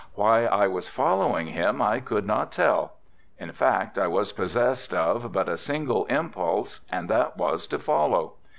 Why I was following him I could not tell. In fact I was possessed of but a single impulse and that was to follow.